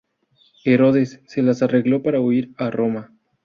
Herodes, se las arregló para huir a Roma.